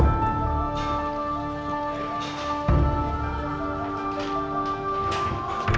tahap rue pangku lagi